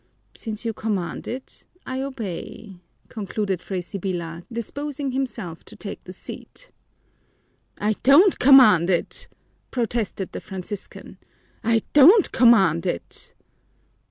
"Since you command it, I obey," concluded Fray Sibyla, disposing himself to take the seat. "I don't command it!" protested the Franciscan. "I don't command it!"